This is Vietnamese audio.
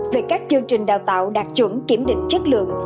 về các chương trình đào tạo đạt chuẩn kiểm định chất lượng